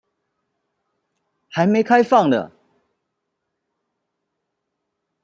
還沒開放呢